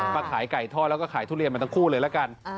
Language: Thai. มาขายไก่ทอดแล้วก็ขายทุเรียนมาทั้งคู่เลยละกัน